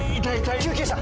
救急車。